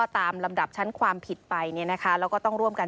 ตามลำดับชั้นความผิดไปแล้วก็ต้องร่วมกัน